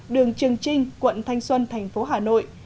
đường trường trinh quận thanh xuân thành phố hà nội